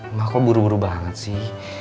emak kok buru buru banget sih